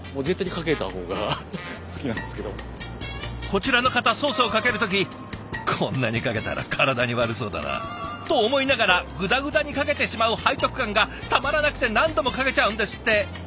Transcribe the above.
こちらの方ソースをかける時「こんなにかけたら体に悪そうだな」と思いながらグダグダにかけてしまう背徳感がたまらなくて何度もかけちゃうんですって。